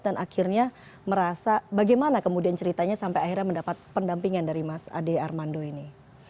dan akhirnya merasa bagaimana kemudian ceritanya sampai akhirnya mendapat pendampingan dari mas ade armando ini